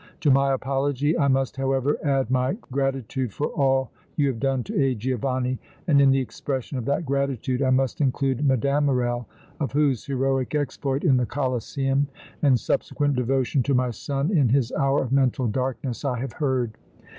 "To my apology I must, however, add my gratitude for all you have done to aid Giovanni and in the expression of that gratitude I must include Mme. Morrel, of whose heroic exploit in the Colosseum and subsequent devotion to my son in his hour of mental darkness I have heard."